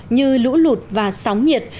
như lũ lụt và sóng nhiệt